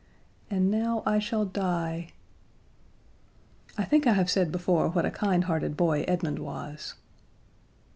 And now I shall die." I think I have said before what a kindhearted boy Edmund was.